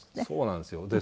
そうなんですよ。